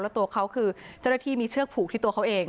แล้วตัวเขาคือเจ้าหน้าที่มีเชือกผูกที่ตัวเขาเอง